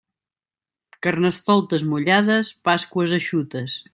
Carnestoltes mullades, Pasqües eixutes.